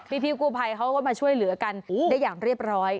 พี่กู้ภัยเขาก็มาช่วยเหลือกันได้อย่างเรียบร้อย